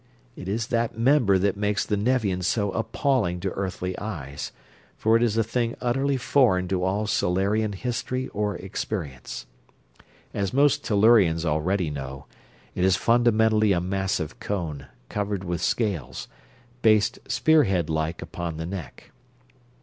It is that member that makes the Nevian so appalling to earthly eyes, for it is a thing utterly foreign to all Solarian history or experience. As most Tellurians already know, it is fundamentally a massive cone, covered with scales, based spearhead like upon the neck.